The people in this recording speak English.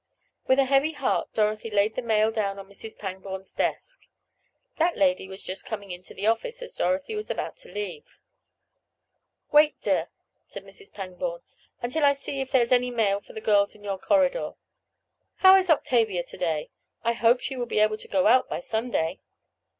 With a heavy heart Dorothy laid the mail down on Mrs. Pangborn's desk. That lady was just coming into the office as Dorothy was about to leave. "Wait, dear," said Mrs. Pangborn, "until I see if there is any mail for the girls in your corridor. How is Octavia to day? I hope she will be able to go out by Sunday.